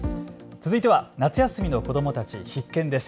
続いては夏休みの子どもたち必見です。